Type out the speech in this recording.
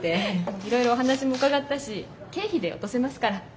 いろいろお話も伺ったし経費で落とせますから。